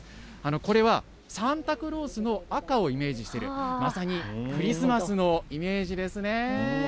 これは、サンタクロースの赤をイメージしてる、まさにクリスマスのイメージですね。